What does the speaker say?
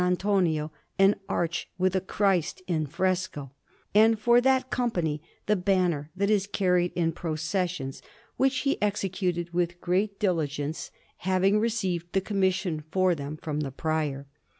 Antonio an arch with a Christ in fresco, and for that Company the banner that is carried in processions, which he executed with great diligence, having received the commission for them from the Prior.